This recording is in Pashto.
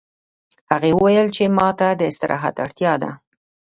هغې وویل چې ما ته د استراحت اړتیا ده